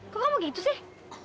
kok kamu gitu sih